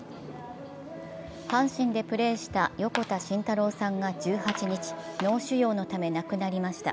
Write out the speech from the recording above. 阪神でプレーした横田慎太郎さんが１８日、脳腫瘍のため亡くなりました。